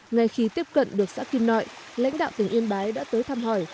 ngay khi tiếp cận được xã kim nội lãnh đạo tỉnh yên bái đã tới thăm hỏi